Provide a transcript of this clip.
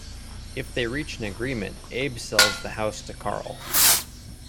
If they reach an agreement, Abe sells the house to Carl.